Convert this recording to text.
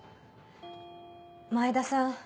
前田さん